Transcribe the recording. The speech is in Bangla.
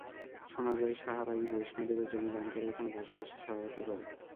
শোনা যায়, সাহারা-ই বৈষ্ণবদের জমি দান করে এখানে বসবাসে সহায়তা করে।